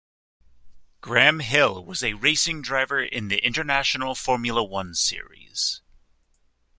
Graham Hill was a racing driver in the international Formula One series.